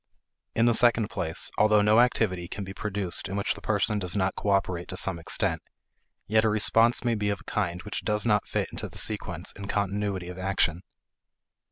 In the second place, although no activity can be produced in which the person does not cooperate to some extent, yet a response may be of a kind which does not fit into the sequence and continuity of action.